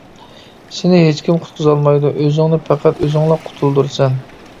سېنى ھېچكىم قۇتقۇزالمايدۇ، ئۆزۈڭنى پەقەت ئۆزۈڭلا قۇتۇلدۇرىسەن.